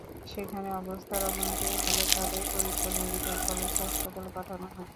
সেখানে অবস্থার অবনতি হলে তাঁদের ফরিদপুর মেডিকেল কলেজ হাসপাতালে পাঠানো হয়।